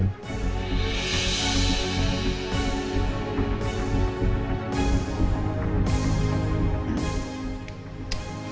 dan di sini